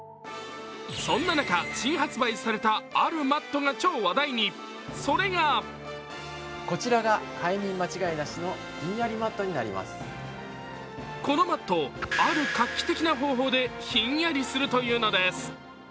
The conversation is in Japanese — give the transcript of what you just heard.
そんな中、新発売されたあるマットが超話題に、それがこのマット、ある画期的な方法でひんやりするというのです。